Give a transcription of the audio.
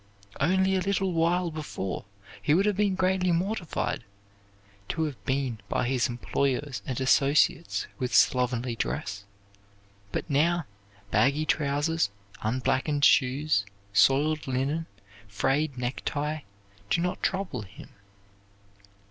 Only a little while before he would have been greatly mortified to have been seen by his employers and associates with slovenly dress; but now baggy trousers, unblackened shoes, soiled linen, frayed neck tie do not trouble him.